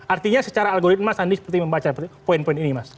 artinya secara algoritma sandi seperti membaca poin poin ini mas